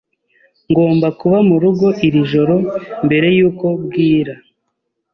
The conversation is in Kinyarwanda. Ngomba kuba murugo iri joro mbere yuko bwira.